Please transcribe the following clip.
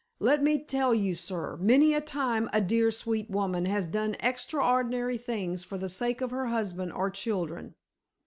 "Let me tell you, sir, many a time a dear, sweet woman has done extraordinary things for the sake of her husband or children."